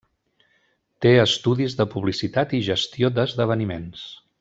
Té estudis de publicitat i gestió d'esdeveniments.